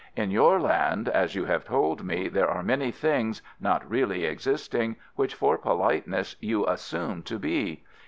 "In your land, as you have told me, there are many things, not really existing, which for politeness you assume to be.